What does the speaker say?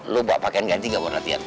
lu bawa pakaian ganti gak buat latihan